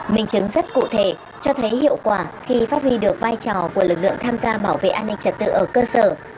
mình chứng rất cụ thể cho thấy hiệu quả khi phát huy được vai trò của lực lượng tham gia bảo vệ an ninh trật tự ở cơ sở